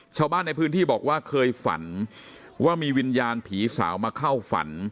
ชาวบ้านในพื้นที่บอกว่าเคยฝันว่ามีวิญญาณผีสาวมาเข้าฝัน